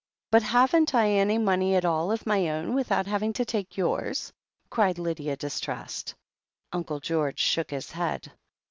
But haven't I any money at all of my own without having to take yours?" cried Lydia, distressed. Uncle George shook his head.